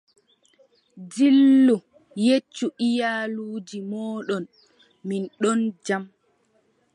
Dillu, yeccu iyaluuji mooɗon, min ɗon jam.